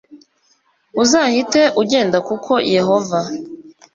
uzahite ugenda kuko yehova